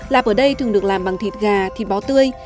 lạp ở đây thường được làm bằng thịt gà thịt bó tươi